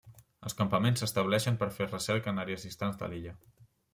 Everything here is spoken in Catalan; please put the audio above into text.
Els campaments s'estableixen per fer recerca en àrees distants de l'illa.